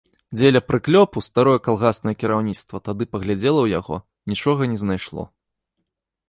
Дзеля прыклёпу старое калгаснае кіраўніцтва тады паглядзела ў яго, нічога не знайшло.